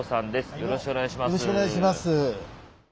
よろしくお願いします。